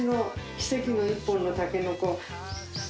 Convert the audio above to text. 奇跡の一本のタケノコ。